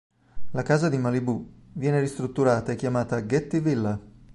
La casa di Malibù viene ristrutturata e chiamata "Getty Villa".